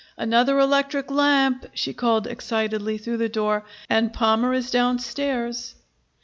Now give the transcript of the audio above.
"Another electric lamp," she called excitedly through the door. "And Palmer is downstairs."